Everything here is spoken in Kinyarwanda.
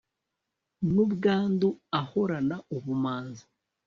n'ubwandu, ahorana ubumanzi